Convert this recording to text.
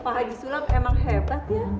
pak haji sulam emang hebat ya